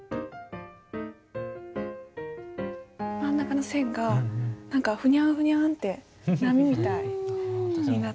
真ん中の線が何かふにゃんふにゃんって波みたいになってるなって。